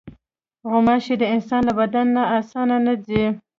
غوماشې د انسان له بدن نه اسانه نه ځي.